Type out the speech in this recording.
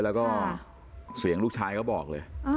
แล้วก็เสียงลูกชายเขาบอกเลย